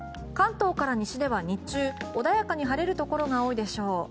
関東から西では、日中穏やかに晴れるところが多いでしょう。